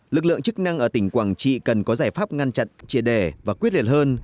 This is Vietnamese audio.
lực lượng chức năng ở tỉnh quảng trị cần có giải pháp ngăn chặn chia đẻ và quyết liệt hơn